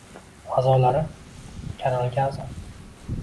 a'zolari: Kanalga a'zo